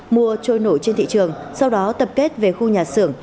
mua trôi nổi trên thị trường sau đó tập kết về khu nhà xưởng